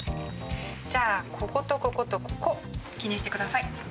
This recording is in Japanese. じゃあこことこことここ記入してください。